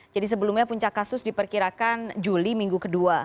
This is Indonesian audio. jadi sebelumnya puncak kasus diperkirakan juli minggu ke dua